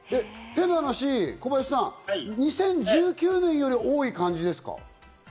変な話、小林さん、２０１９年よりも多い感じですか？